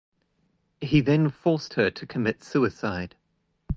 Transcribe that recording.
He then forced her to commit suicide.